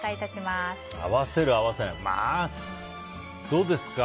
どうですか？